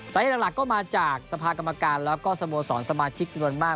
สัญลักษณ์หลักก็มาจากสภาคกรรมการแล้วก็สโมสรสมาชิกสินวนมาก